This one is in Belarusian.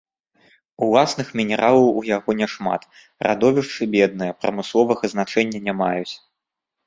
Уласных мінералаў у яго няшмат, радовішчы бедныя, прамысловага значэння не маюць.